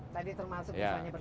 tadi termasuk misalnya berlainan